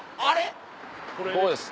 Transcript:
ここです。